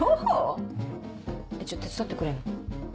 じゃ手伝ってくれんの？